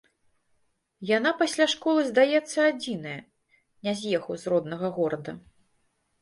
Яна пасля школы, здаецца, адзіная, не з'ехаў з роднага горада.